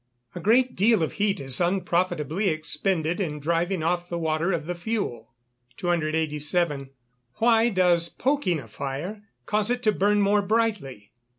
_ A great deal of heat is unprofitably expended in driving off the water of the fuel. 287. _Why does poking a fire cause it to burn more brightly?